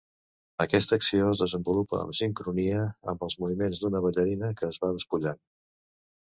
Aquesta acció es desenvolupa en sincronia amb els moviments d’una ballarina que es va despullant.